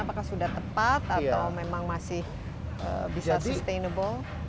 apakah sudah tepat atau memang masih bisa sustainable